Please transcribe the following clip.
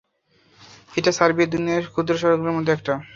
এটা সার্বিয়া, দুনিয়ার ক্ষুদ্র শহরগুলোর মধ্যে একটা!